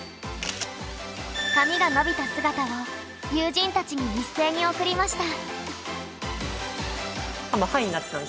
髪が伸びた姿を友人たちに一斉に送りました。